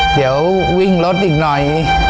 เดี๋ยววิ่งรถอีกหน่อย